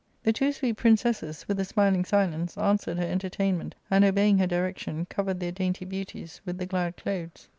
The two sweet princesses, with a smiling silence, an•^ swered her entertainment, and, obeying her direction, covered their dainty beauties with the glad clothes.